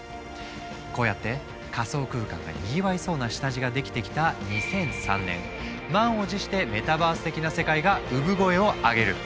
こうやって仮想空間がにぎわいそうな下地ができてきた２００３年満を持してメタバース的な世界が産声を上げる。